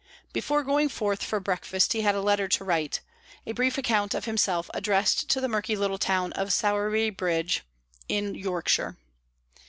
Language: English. Before going forth for breakfast he had a letter to write, a brief account of himself addressed to the murky little town of Sowerby Bridge, in Yorkshire.